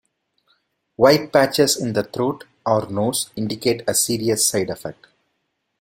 White patches in the throat or nose indicate a serious side effect.